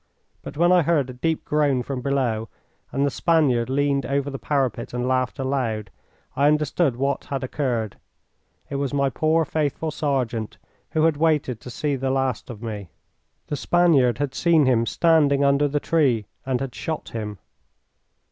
But when I heard a deep groan from below, and the Spaniard leaned over the parapet and laughed aloud, I understood what had occurred. It was my poor, faithful sergeant, who had waited to see the last of me. The Spaniard had seen him standing under the tree and had shot him.